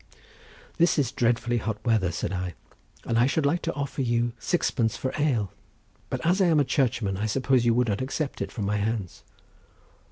..." "This is dreadfully hot weather," said I, "and I should like to offer you sixpence for ale, but as I am a Churchman I suppose you would not accept it from my hands."